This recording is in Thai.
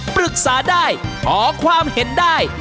ปรึกษาได้ขอความเห็นได้